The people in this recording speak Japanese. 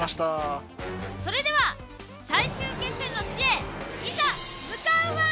それでは最終決戦の地へいざ向かうワン！